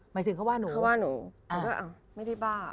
หมายถึงเขาว่าหนูเขาว่าหนูก็ไม่ได้บ้า